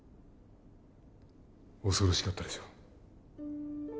恐ろしかったでしょう？